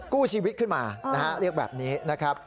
กู้ชีวิตขึ้นมานะฮะเรียกแบบนี้นะครับ